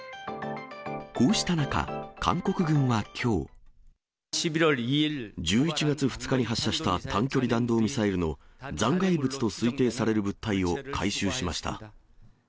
こうした中、韓国軍はきょう。１１月２日に発射した短距離弾道ミサイルの残骸物と推定される物体を回収しました。